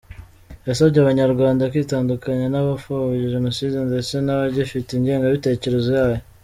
Yasabye Abanyarwanda kwitandukanya n’abapfobya Jenoside ndetse n’abagifite ingengabitekerezo yayo.